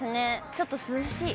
ちょっと涼しい。